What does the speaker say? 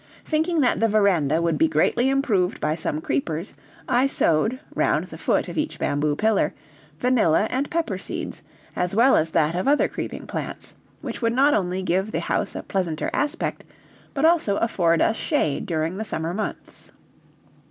Thinking that the veranda would be greatly improved by some creepers, I sowed, round the foot of each bamboo pillar, vanilla and pepper seeds, as well as that of other creeping plants, which would not only give the house a pleasanter aspect, but also afford us shade during the summer months.